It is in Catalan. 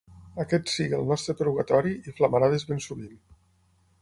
Aquest sigui el nostre purgatori i flamarades ben sovint.